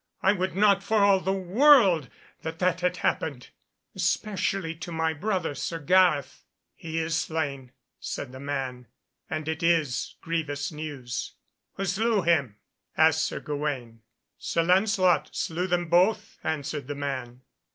"I would not for all the world that that had happened, especially to my brother Sir Gareth." "He is slain," said the man, "and it is grievous news." "Who slew him?" asked Sir Gawaine. "Sir Lancelot slew them both," answered the man.